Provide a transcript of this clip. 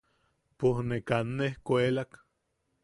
Pojne kaa nejkuelak.